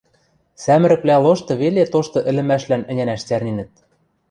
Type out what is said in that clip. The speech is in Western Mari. Сӓмӹрӹквлӓ лошты веле тошты ӹлӹмӓшлӓн ӹнянӓш цӓрненӹт.